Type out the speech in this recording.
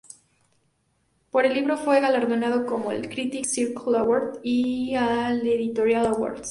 Por el libro fue galardonado con el "Critics Circle Award" y el "Editors Award".